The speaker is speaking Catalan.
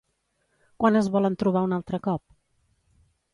Quan es volen trobar un altre cop?